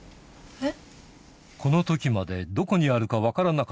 えっ？